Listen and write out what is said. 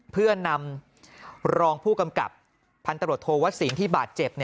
เพื่อนำรองผู้กำกับพันตรวจโทวสินที่บาดเจ็บ